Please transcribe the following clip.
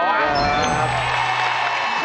โอ๊ยขอบคุณครับ